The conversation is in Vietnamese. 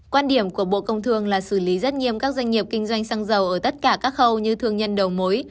quan điểm của bộ công thương là xử lý rất nghiêm các doanh nghiệp kinh doanh xăng dầu ở tất cả các khâu như thương nhân đầu mối